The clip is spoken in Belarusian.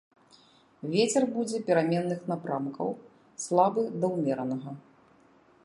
Вецер будзе пераменных напрамкаў, слабы да ўмеранага.